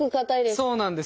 そうなんです。